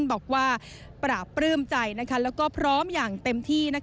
บอกว่าปราบปลื้มใจแล้วก็พร้อมอย่างเต็มที่